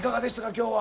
今日は。